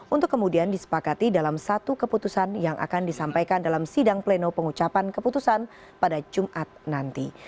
untuk kemudian disepakati dalam satu keputusan yang akan disampaikan dalam sidang pleno pengucapan keputusan pada jumat nanti